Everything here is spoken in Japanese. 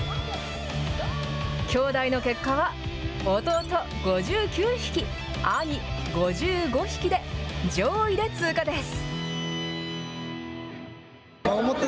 兄弟の結果は弟、５９匹、兄、５５匹で上位で通過です。